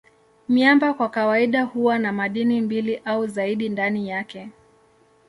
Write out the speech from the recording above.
Miamba kwa kawaida huwa na madini mbili au zaidi ndani yake.